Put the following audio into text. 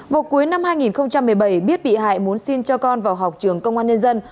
vào cuối năm hai nghìn một mươi bảy biết bị hại muốn xin cho con vào học trường công an nhân dân